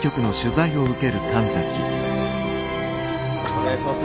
お願いします。